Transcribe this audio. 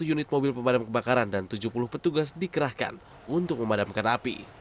dua puluh unit mobil pemadam kebakaran dan tujuh puluh petugas dikerahkan untuk memadamkan api